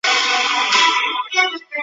这时旁人把两人分开了。